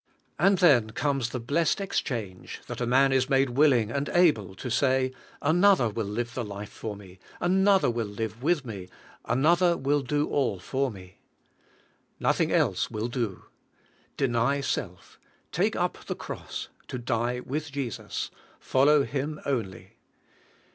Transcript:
And then comes the blessed exchange, that a man is made willing and able to say : "Another will live the life for me, another will live with me, an other will do all for me." Nothing else will do. Deny self; take up the cross, to die with Jesus; follow Him onl}'.